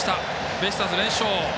ベイスターズ、連勝。